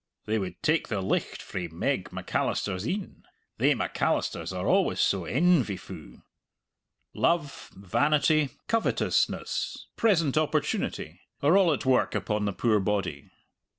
they would take the licht frae Meg Macalister's een thae Macalisters are always so en vy fu'!" Love, vanity, covetousness, present opportunity, are all at work upon the poor body.